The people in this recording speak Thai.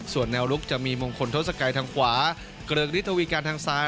ส่วนแนวลุกจะมีมงคลทศกัยทางขวาเกริกฤทธวีการทางซ้าย